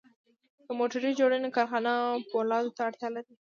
د موټر جوړونې کارخانه پولادو ته اړتیا لري